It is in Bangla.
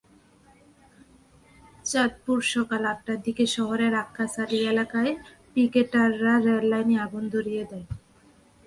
চাঁদপুরসকাল আটটার দিকে শহরের আক্কাছ আলী এলাকায় পিকেটাররা রেললাইনে আগুন ধরিয়ে দেয়।